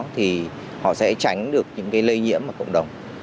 thì họ sẽ tránh được những cái lây nhiễm ở cộng đồng